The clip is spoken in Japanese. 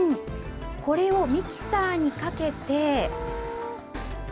これをミキサーにかけて。